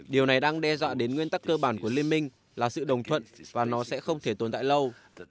điều này đang đe dọa đến nguyên tắc cơ bản của liên minh là sự đồng thuận và nó sẽ không thể tồn tại lâu